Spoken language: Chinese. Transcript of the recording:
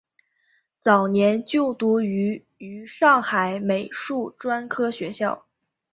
早年就读于于上海美术专科学校。